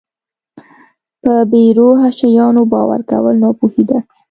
په بې روحه شیانو باور کول ناپوهي ده.